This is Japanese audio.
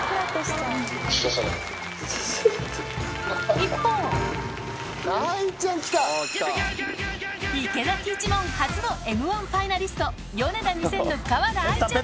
一方池崎一門初の『Ｍ−１』ファイナリストヨネダ２０００の河田愛ちゃん